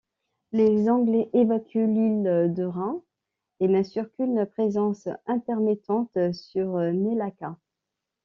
Les anglais évacuent l'île de Run, et n’assurent qu'une présence intermittente sur Nailaka.